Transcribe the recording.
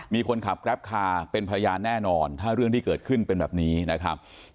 มีคนขับแกรปคาร์เป็นพยานแน่นอนถ้าเรื่องที่เกิดขึ้นเป็นแบบนี้นะครับ